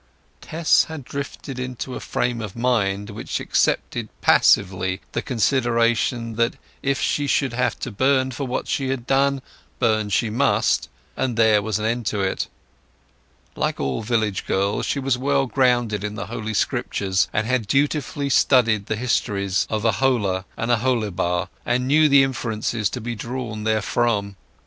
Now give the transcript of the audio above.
Tess had drifted into a frame of mind which accepted passively the consideration that if she should have to burn for what she had done, burn she must, and there was an end of it. Like all village girls, she was well grounded in the Holy Scriptures, and had dutifully studied the histories of Aholah and Aholibah, and knew the inferences to be drawn therefrom.